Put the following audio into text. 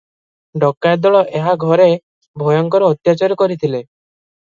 ଡକାଏତ ଦଳ ଏହା ଘରେ ଭୟଙ୍କର ଅତ୍ୟାଚାର କରିଥିଲେ ।